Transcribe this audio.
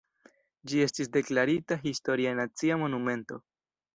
Ĝi estis deklarita Historia Nacia Monumento.